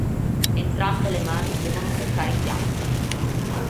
Entrambe le mani devono toccare i fianchi.